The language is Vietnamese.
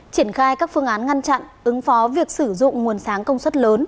triển khai các phương án ngăn chặn ứng phó việc sử dụng nguồn sáng công suất lớn